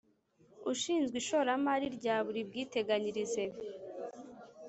Ushinzwe ishoramari rya buri bwiteganyirize